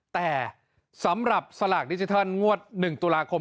แต่สำหรับสลากดิจิทัลงวด๑ตุลาคม